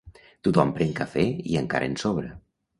Tothom pren cafè i encara en sobra.